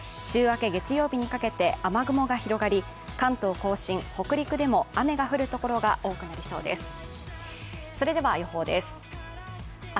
週明け月曜日にかけて雨雲が広がり関東甲信・北陸でも雨が降るところが多くなりそうです。